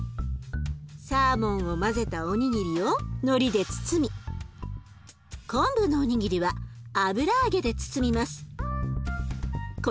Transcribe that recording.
サーモンを混ぜたおにぎりをのりで包み昆布のおにぎりは油揚げで包みます。